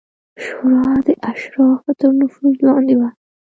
شورا د اشرافو تر نفوذ لاندې وه